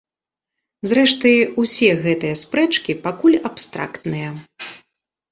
Зрэшты, усе гэтыя спрэчкі пакуль абстрактныя.